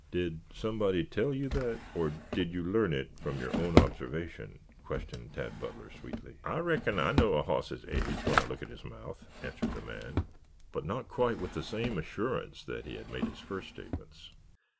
"Did somebody tell you that, or did you learn it from your own observation?" questioned Tad Butler sweetly. "I reckon I know a hoss's age when I look at his mouth," answered the man, but not quite with the same assurance that he had made his first statements.